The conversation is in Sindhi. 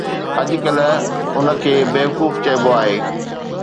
اڄڪلهه ان کي ”بيوقوف“ چئبو آهي.